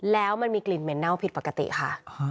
แล้วมันมีกลิ่นเหม็นเน่าผิดปกติค่ะ